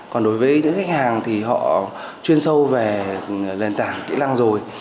còn đối với những khách hàng thì họ chuyên sâu về nền tảng kỹ năng rồi